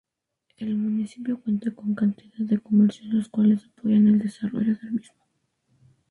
El municipio cuenta con cantidad de comercios los cuales apoyan el desarrollo del mismo.